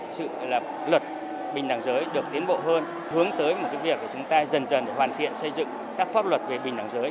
sự lập luật bình đẳng giới được tiến bộ hơn hướng tới một việc chúng ta dần dần hoàn thiện xây dựng các pháp luật về bình đẳng giới